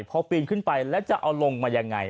พอปีนขึ้นไปแล้วจะเอาลงมายังไง